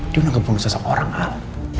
dia udah ngebunuh seseorang al